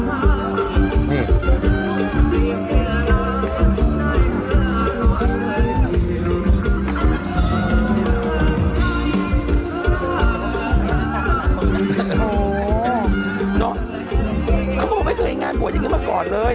โอ้โหเค้าบอกว่าไม่เคยเห็นงานบวชอย่างนี้มาก่อนเลย